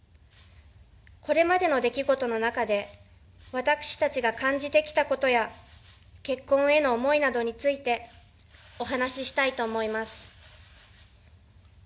これまでの出来事の中で私たちが感じてきたことや結婚への思いなどについてお話ししたいと思います。